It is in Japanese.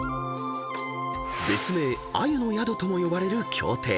［別名鮎の宿とも呼ばれる「京亭」］